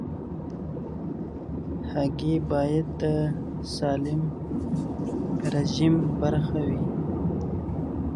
هګۍ باید د سالم رژیم برخه وي.